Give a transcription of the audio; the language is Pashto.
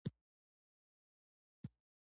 سهار مو پخیر